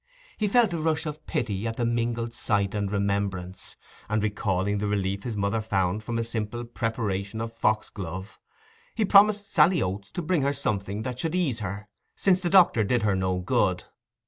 He felt a rush of pity at the mingled sight and remembrance, and, recalling the relief his mother had found from a simple preparation of foxglove, he promised Sally Oates to bring her something that would ease her, since the doctor did her no good.